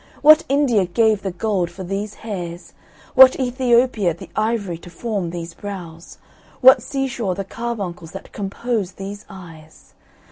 What India gave the gold for these hairs? What Ethiopia the ivory to form these brows? What seashore the carbuncles that compose these eyes?